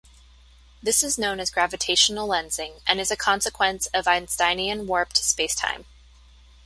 This is known as gravitational lensing, and is a consequence of Einsteinian warped space-time.